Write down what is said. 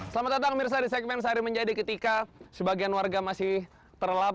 selamat datang mirsa di segmen sehari menjadi ketika sebagian warga masih terlapa